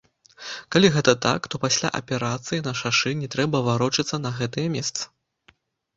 Калі гэта так, то пасля аперацыі на шашы не трэба варочацца на гэтае месца.